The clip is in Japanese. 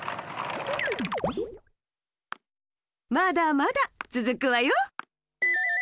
まだまだつづくわよ。